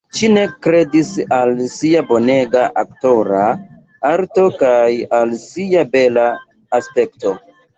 Ŝi ne kredis al sia bonega aktora arto kaj al sia bela aspekto.